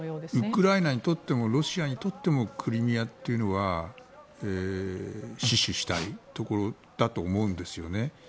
ウクライナにとってもロシアにとってもクリミアというのは死守したいところだと思うんですよね。